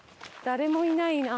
誰もいないね。